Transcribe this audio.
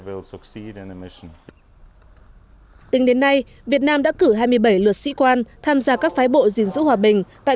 tính đến nay việt nam đã cử hai mươi bảy luật sĩ quan tham gia các phái bộ gìn giữ hòa bình tại